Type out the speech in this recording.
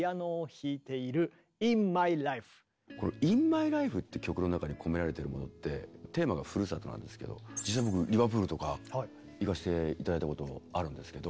「イン・マイ・ライフ」って曲の中に込められているものってテーマがふるさとなんですけど実際僕リバプールとか行かせて頂いたこともあるんですけど。